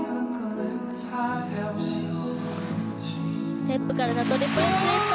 ステップからのトリプルツイスト